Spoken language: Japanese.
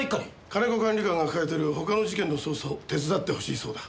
金子管理官が抱えてる他の事件の捜査を手伝ってほしいそうだ。